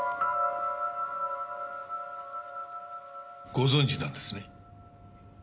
ご存じなんですね？